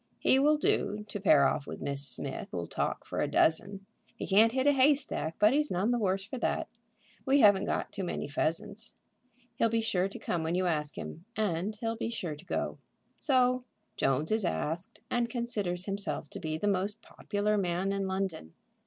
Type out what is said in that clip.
He will do to pair off with Miss Smith, who'll talk for a dozen. He can't hit a hay stack, but he's none the worse for that. We haven't got too many pheasants. He'll be sure to come when you ask him, and he'll be sure to go." So Jones is asked, and considers himself to be the most popular man in London.